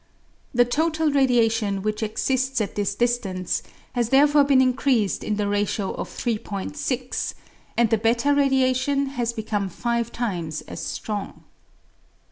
The total radiation which exists at this distance has therefore been increased in the ratio of 3 6, and the /8 radiation has become five times as strong.